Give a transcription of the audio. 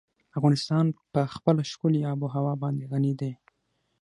افغانستان په خپله ښکلې آب وهوا باندې غني دی.